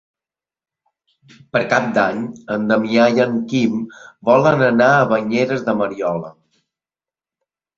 Per Cap d'Any en Damià i en Quim volen anar a Banyeres de Mariola.